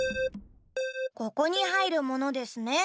ここにはいるものですね。